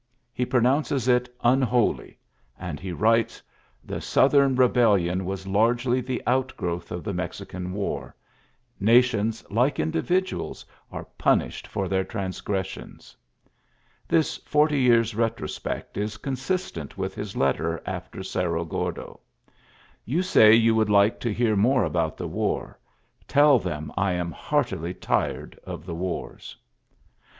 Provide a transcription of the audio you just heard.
He pronounces it "unholy," and he writes : "The Southern Eebell ion was largely the outgrowth of the Mexican War. Nations, like individ uals, are punished for their transgres sions." This forty years' retrospect is consistent with his letter after Oerro Gordo: "You say you would like to hear more about the war. ... Tell them I am heartily tired of the wars."